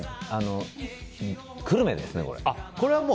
久留米ですね。